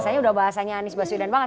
saya sudah bahasanya anis basudan banget